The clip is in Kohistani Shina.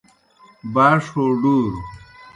باݜ ہو ڈُوروْ